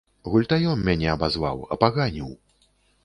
Гультаём мяне абазваў, апаганіў.